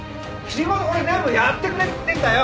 仕事これ全部やってくれって言ってんだよ！